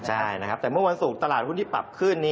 ใช่นะครับแต่เมื่อวันศุกร์ตลาดหุ้นที่ปรับขึ้น